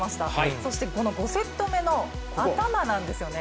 そして、この５セット目の頭なんですよね。